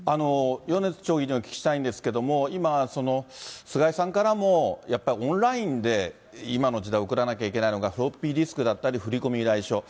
米津町議にお聞きしたいんですけれども、今、菅井さんからも、やっぱりオンラインで今の時代、送らなきゃいけないのが、フロッピーディスクだったリ振り込み依頼書。